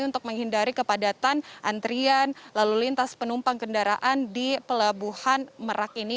untuk menghindari kepadatan antrian lalu lintas penumpang kendaraan di pelabuhan merak ini